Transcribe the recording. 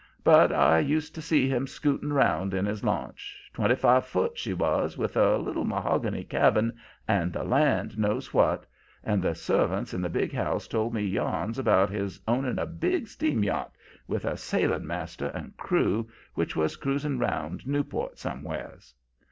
But I used to see him scooting 'round in his launch twenty five foot, she was, with a little mahogany cabin and the land knows what and the servants at the big house told me yarns about his owning a big steam yacht, with a sailing master and crew, which was cruising round Newport somewheres.